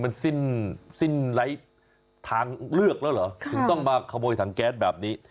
มันสิ้นสิ้นไร้ทางเลือกแล้วเหรอถึงต้องมาขโมยถังแก๊สแบบนี้